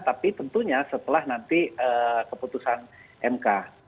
jadi tentunya setelah nanti keputusan mk